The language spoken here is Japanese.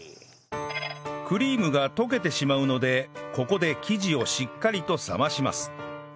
クリームが溶けてしまうのでここで生地をしっかりと冷まします